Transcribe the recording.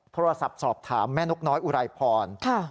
โทรศัพท์สอบถามแม่นกน้อยอุไรพร